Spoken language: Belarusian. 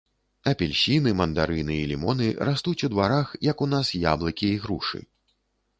Апельсіны, мандарыны і лімоны растуць у дварах, як у нас яблыкі і грушы.